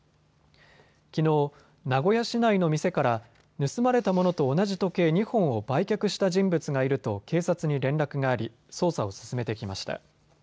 きのう、名古屋市内の店から盗まれたものと同じ時計２本を売却した人物がいると警察に連絡があり捜査を進めてきました。